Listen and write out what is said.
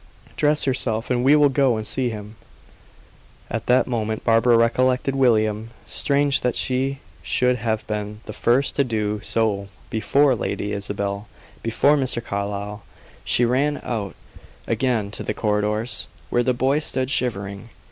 Dress yourself, and we will go and see him." At that moment Barbara recollected William. Strange that she should have been the first to do so before Lady Isabel before Mr. Carlyle. She ran out again to the corridors, where the boy stood shivering.